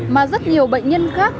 mà rất nhiều bệnh nhân khác